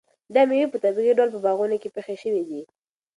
دا مېوې په طبیعي ډول په باغونو کې پخې شوي دي.